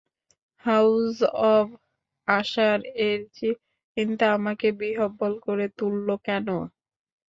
House of আশার-এর চিন্তা আমাকে বিহ্বল করে তুলল কেন?